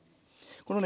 このね